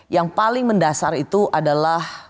yang paling mendasar itu adalah